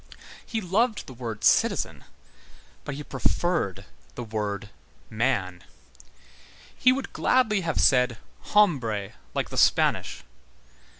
He loved the word citizen, but he preferred the word man. He would gladly have said: Hombre, like the Spanish.